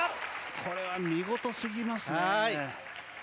これは見事すぎますね。